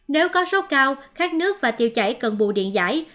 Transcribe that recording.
nếu có sốc cao khát nước và tiêu chảy cần bù điện giải